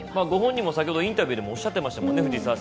ご本人も先ほどインタビューでもおっしゃってましたもんね。